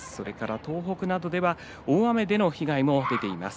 東北などでは大雨での被害も出ています。